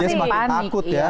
dia semakin panik ya